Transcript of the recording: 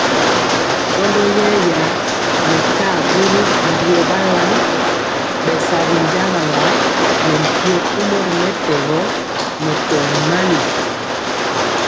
Shɔndɔ yɛra mɛkaa ɓɔri mbio balan bɛ sa binjagala ne mpyo kumɔ ri mɛtɛgɔ nɛ tɔbi mali.